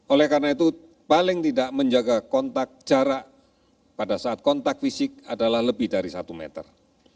oleh karena itu paling tidak menjaga kontak jarak pada saat kontak fisik adalah lebih dari satu meter